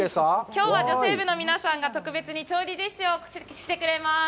きょうは、女性部の皆さんが特別に調理実習をしてくれます。